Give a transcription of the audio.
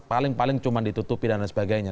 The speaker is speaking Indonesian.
paling paling cuma ditutupi dan lain sebagainya